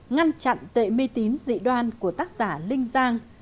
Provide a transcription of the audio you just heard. ngăn chặn tệ uy tín dị đoan của tác giả linh giang